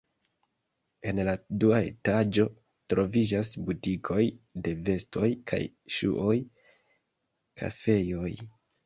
En la dua etaĝo troviĝas butikoj de vestoj kaj ŝuoj, kafejoj.